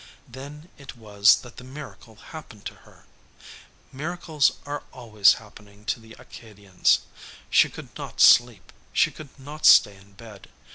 Then it was that the miracle happened to her. Miracles are always happening to the Acadians. She could not sleep, she could not stay in bed.